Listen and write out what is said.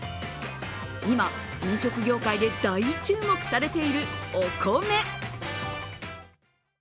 今、飲食業界で大注目されているお米。